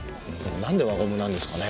なんで輪ゴムなんですかね？